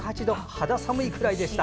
肌寒いくらいでした。